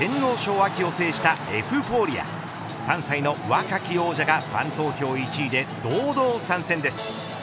秋を制したエフフォーリア３歳の若き王者がファン投票１位で堂々参戦です。